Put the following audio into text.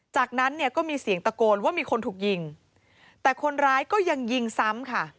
จากนั้นเนี่ยก็มีเสียงตะโกนว่ามีคนถูกยิงแต่คนร้ายก็ยังยิงซ้ำค่ะ